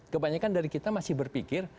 kebanyakan dari kita masih berpikir